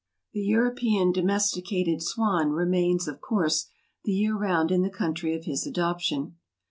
The European domesticated swan, remains, of course, the year round in the country of his adoption.